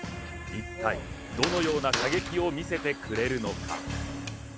一体どのような射撃を見せてくれるのか。